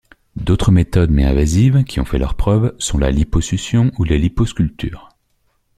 D'autres méthodes mais invasives qui ont fait leur preuves sont la liposuccion ou liposculpture.